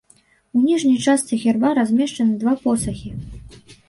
У ніжняй частцы герба размешчаны два посахі.